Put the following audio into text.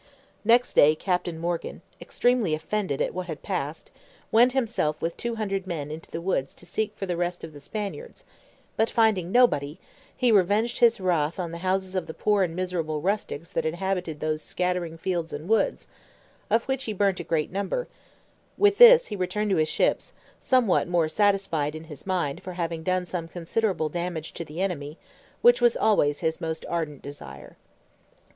Next day Captain Morgan, extremely offended at what had passed, went himself with two hundred men into the woods to seek for the rest of the Spaniards, but finding nobody, he revenged his wrath on the houses of the poor and miserable rustics that inhabit those scattering fields and woods, of which he burnt a great number: with this he returned to his ships, somewhat more satisfied in his mind for having done some considerable damage to the enemy; which was always his most ardent desire.